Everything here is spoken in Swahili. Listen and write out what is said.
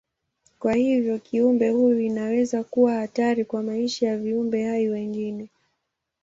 Kwa hivyo kiumbe huyu inaweza kuwa hatari kwa maisha ya viumbe hai wengine.